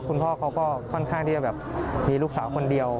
คุณพ่อเขาก็ค่อนข้างที่จะแบบมีลูกสาวคนเดียว